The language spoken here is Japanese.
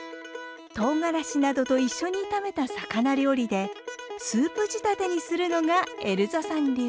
とうがらしなどと一緒に炒めた魚料理でスープ仕立てにするのがエルザさん流。